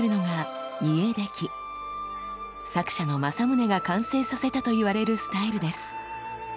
作者の正宗が完成させたといわれるスタイルです。